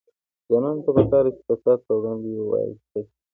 ځوانانو ته پکار ده چې، فساد پر وړاندې وایسته شي.